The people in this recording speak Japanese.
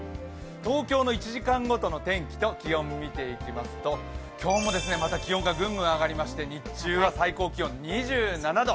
東京の１時間ごとの天気と気温を見ていきますと、今日も気温がグングン上がりまして日中は最高気温２７度。